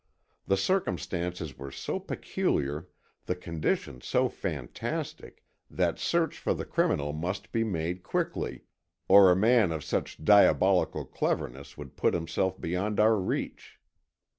The circumstances were so peculiar, the conditions so fantastic, that search for the criminal must be made quickly, or a man of such diabolical cleverness would put himself beyond our reach.